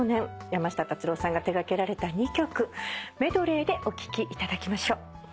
山下達郎さんが手掛けられた２曲メドレーでお聴きいただきましょう。